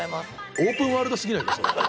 オープンワールド過ぎないか？